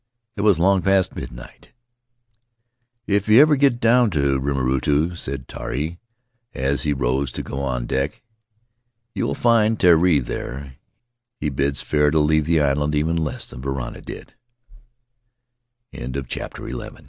It was long past midnight. "If you ever get down to Rimarutu," said Tari, as he rose to go on deck, "you will find Terii there — he bids fair to leave the island even less than